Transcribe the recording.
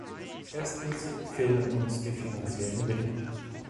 Erstens fehlen uns die finanziellen Mittel.